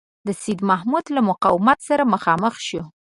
د سیدمحمود له مقاومت سره مخامخ شو.